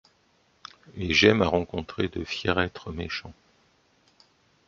Et j'aime à rencontrer de fiers êtres méchants